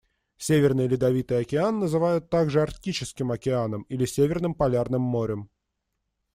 Северный Ледовитый Океан называют также Арктическим Океаном или Северным Полярным Морем.